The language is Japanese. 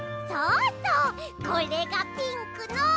そうそうこれがピンクの。